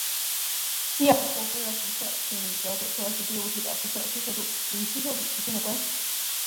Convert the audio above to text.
基尔霍夫热辐射定律则给出了实际物体的辐射出射度与吸收比之间的关系。